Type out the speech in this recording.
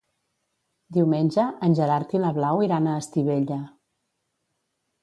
Diumenge en Gerard i na Blau iran a Estivella.